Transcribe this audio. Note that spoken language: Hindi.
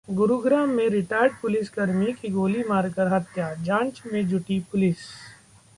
गुरुग्राम में रिटायर्ड पुलिसकर्मी की गोली मारकर हत्या, जांच में जुटी पुलिस